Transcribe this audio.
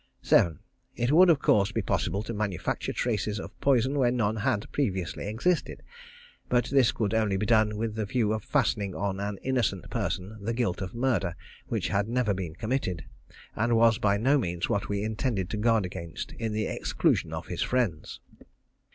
7. It would, of course, be possible to manufacture traces of poison where none had previously existed, but this could only be done with the view of fastening on an innocent person the guilt of a murder which had never been committed, and was by no means what we intended to guard against in the exclusion of his friends.